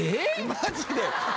マジで。